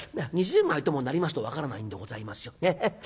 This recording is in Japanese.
「２０枚ともなりますと分からないんでございますよ。